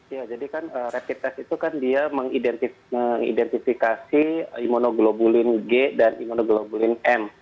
ya jadi kan rapid test itu kan dia mengidentifikasi imunoglobulin g dan imunoglobulin m